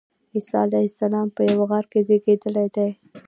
عیسی علیه السلام په یوه غار کې زېږېدلی دی.